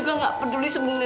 kayak aku betul ira creator